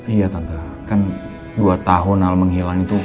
iya tante kan dua tahun al menghilang itu